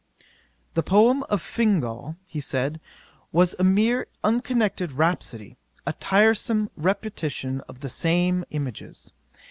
'The poem of Fingal, he said, was a mere unconnected rhapsody, a tiresome repetition of the same images.